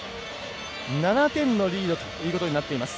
７点のリードということになっています。